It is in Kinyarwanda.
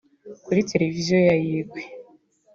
Kuri televiziyo ya Uruguay